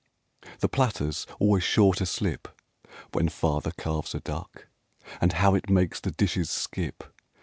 The platter's always sure to slip When Father carves a duck. And how it makes the dishes skip!